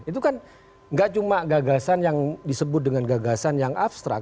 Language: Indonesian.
itu kan gak cuma gagasan yang disebut dengan gagasan yang abstrak